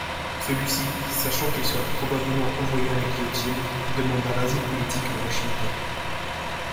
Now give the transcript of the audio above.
Celui-ci, sachant qu'il serait probablement envoyé à la guillotine, demanda l'asile politique à Washington.